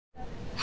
あ！